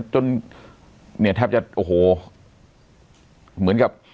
จนเนี่ยแทบจะโอ้โหเหมือนกับ